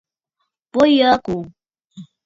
Bo yǝǝ ɨkòò.